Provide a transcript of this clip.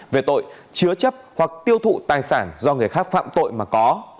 về tội chứa chấp hoặc tiêu thụ tài sản do người khác phạm tội mà có